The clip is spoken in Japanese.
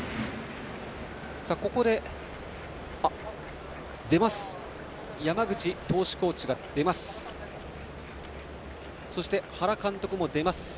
ここで巨人の山口投手コーチが出ました。